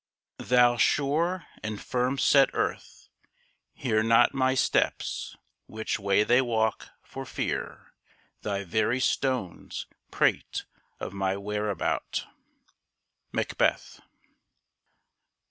Thou sure and firm set earth, Hear not my steps, which way they walk, for fear Thy very stones prate of my whereabout. MACBETH.